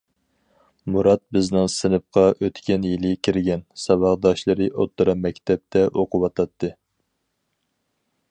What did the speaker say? مۇرات بىزنىڭ سىنىپقا ئۆتكەن يىلى كىرگەن، ساۋاقداشلىرى ئوتتۇرا مەكتەپتە ئوقۇۋاتاتتى.